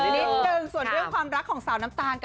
พี่ไผ่เขาอาภัยน์พระอาทิตย์